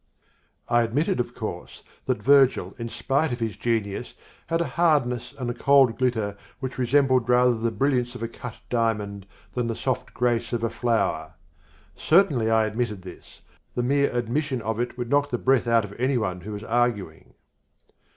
I admitted of course that Virgil in spite of his genius had a hardness and a cold glitter which resembled rather the brilliance of a cut diamond than the soft grace of a flower. Certainly I admitted this: the mere admission of it would knock the breath out of anyone who was arguing.